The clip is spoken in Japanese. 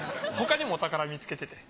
他にもお宝見つけてて。